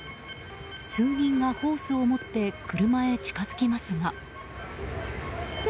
数人がホースを持って車へ近づきますが。